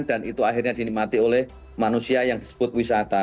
dan itu akhirnya dinikmati oleh manusia yang disebut wisata